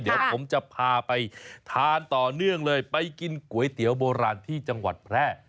เดี๋ยวผมจะพาไปทานต่อเนื่องเลยไปกินก๋วยเตี๋ยวโบราณที่จังหวัดแพร่